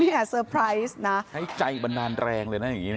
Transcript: นี่แหละเซอร์ไพรส์นะใช้ใจบันดาลแรงเลยนะ